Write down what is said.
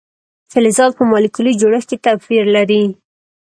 فلزات په مالیکولي جوړښت کې توپیر لري.